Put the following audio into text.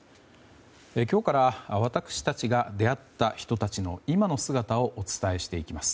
今日から、私たちが出会った人たちの今の姿をお伝えしていきます。